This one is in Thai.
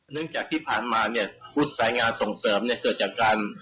เนื่องจากที่ผ่านมาอุดสายงานส่งเสริมเกิดจากการ